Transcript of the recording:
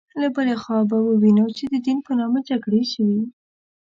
له بلې خوا به ووینو چې د دین په نامه جګړې شوې.